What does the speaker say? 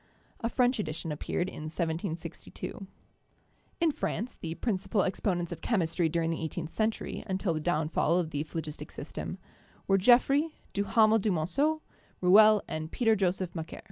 A French edition appeared in 1762. In France, the principal exponents of chemistry during the eighteenth century, until the downfall of the phlogistic system, were Geoffroy, Duhamel du Monceau, Rouelle and Peter Joseph Macquer.